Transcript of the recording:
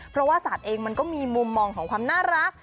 เพราะว่าสัตว์เองมันก็มีมุมมองของความน่ารัก